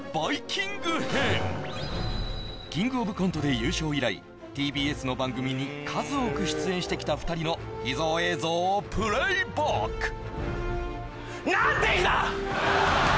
キングオブコントで優勝以来ＴＢＳの番組に数多く出演してきた２人の秘蔵映像をプレイバック何て日だ！